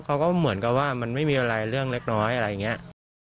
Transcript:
เขาก็เหมือนกับว่ามันไม่มีอะไรเรื่องเล็กน้อยอะไรอย่างนี้